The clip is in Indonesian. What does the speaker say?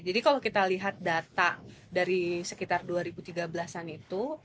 jadi kalau kita lihat data dari sekitar dua ribu tiga belas an itu